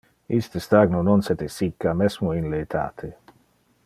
Iste stagno non se desicca, mesmo in le etate.